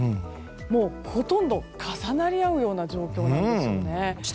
もうほとんど重なり合うような状況なんですよね。